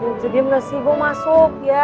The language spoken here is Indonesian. jujur diem ga sih gue mau masuk ya